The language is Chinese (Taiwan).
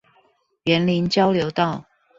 員林交流道